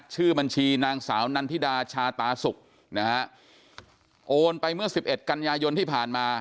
ชื่อบัญชีนางสานัณฑิดาชาตาสุขโอนไปเมื่อ๑๑กันยายนที่ผ่านมา